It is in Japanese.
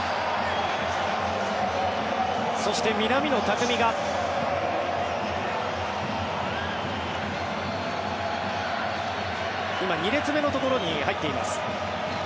そして南野拓実が今、２列目のところに入っています。